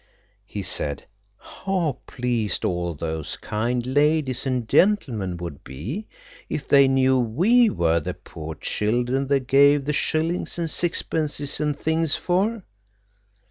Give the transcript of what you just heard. He said: "How pleased all those kind ladies and gentlemen would be if they knew we were the poor children they gave the shillings and sixpences and things for!"